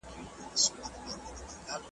سلماني یې زه دي وینمه ژوندی یې .